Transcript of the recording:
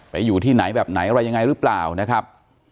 อยู่ที่ไหนแบบไหนอะไรยังไงหรือเปล่านะครับ